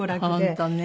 本当ね。